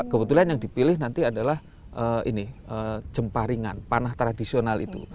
kebetulan yang dipilih nanti adalah ini jemparingan panah tradisional itu